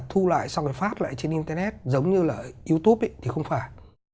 lưu lại xong rồi phát lại trên internet giống như là youtube ấy thì không phải